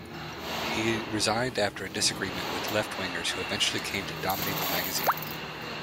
He resigned after a disagreement with left-wingers who eventually came to dominate the magazine.